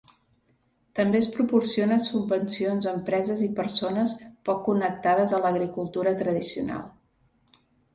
També es proporcionen subvencions a empreses i persones poc connectades a l'agricultura tradicional.